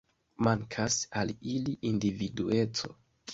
Mankas al ili individueco.